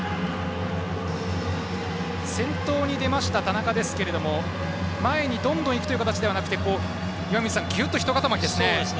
先頭に出ました田中ですが前にどんどん行く形ではなくて岩水さん、ぎゅっとひと固まりですね。